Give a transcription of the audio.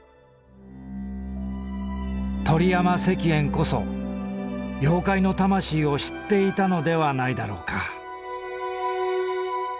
鳥山石燕こそ妖怪のたましいを知っていたのではないだろうか」。